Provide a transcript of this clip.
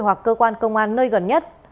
hoặc cơ quan công an nơi gần nhất